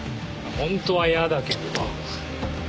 本当は嫌だけどな。